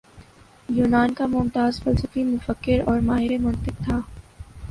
یونان کا ممتاز فلسفی مفکر اور ماہر منطق تھا